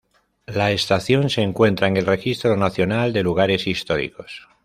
La estación se encuentra en el Registro Nacional de Lugares Históricos.